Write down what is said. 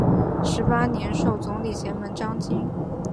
十八年授总理衙门章京。